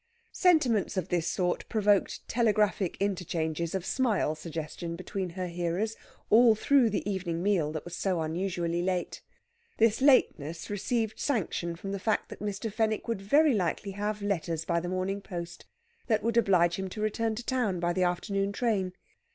Sentiments of this sort provoked telegraphic interchanges of smile suggestion between her hearers all through the evening meal that was so unusually late. This lateness received sanction from the fact that Mr. Fenwick would very likely have letters by the morning post that would oblige him to return to town by the afternoon train.